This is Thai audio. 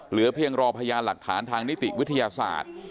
เหลือเพียงรอพยานหลักฐานทางนิติวิทยาศาสตร์